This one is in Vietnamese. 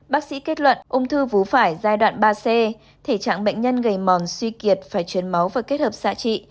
bác sĩ kết luận ung thư vú phải giai đoạn ba c thể trạng bệnh nhân gây mòn suy kiệt phải chuyển máu và kết hợp xạ trị